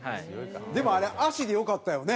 でもあれ足でよかったよね。